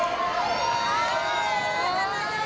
สวัสดีครับ